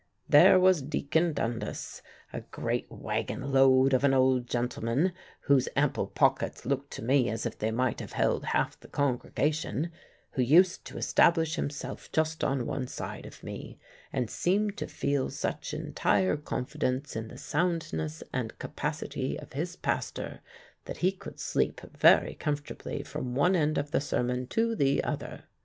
There was Deacon Dundas, a great wagon load of an old gentleman, whose ample pockets looked as if they might have held half the congregation, who used to establish himself just on one side of me, and seemed to feel such entire confidence in the soundness and capacity of his pastor that he could sleep very comfortably from one end of the sermon to the other.